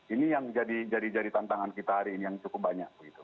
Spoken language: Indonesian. ini yang jadi tantangan kita hari ini yang cukup banyak